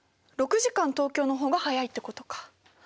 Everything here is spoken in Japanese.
６時間東京の方が早いってことか。